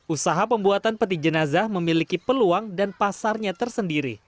usaha pembuatan peti jenazah memiliki peluang dan pasarnya tersendiri